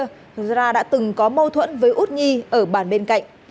thạch đà ra đã từng có mâu thuẫn với út nhi ở bàn bên cạnh